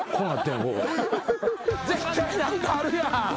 絶対何かあるやん。